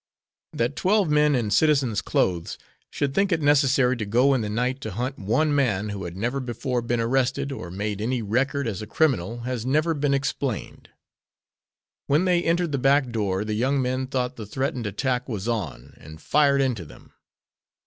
That twelve men in citizen's clothes should think it necessary to go in the night to hunt one man who had never before been arrested, or made any record as a criminal has never been explained. When they entered the back door the young men thought the threatened attack was on, and fired into them.